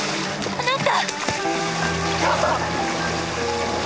あなた！